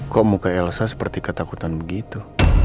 kok muka elsa seperti ketakutan begitu